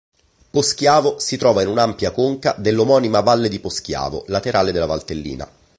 Poschiavo si trova in un'ampia conca dell'omonima Valle di Poschiavo, laterale della Valtellina.